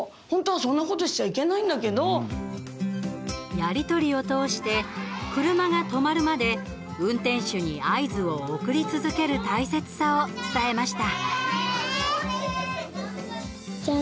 やり取りを通して車が止まるまで運転手に合図を送り続ける大切さを伝えました。